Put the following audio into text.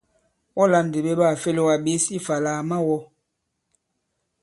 Wɔ lā ndì ɓe ɓaà fe lōgā ɓěs ifà àlà à ma-wɔ̃!